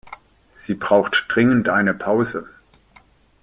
Sie braucht dringend eine Pause.